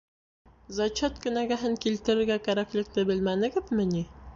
Зачет кенәгәһен килтерергә кәрәклекте белмәнегеҙме ни?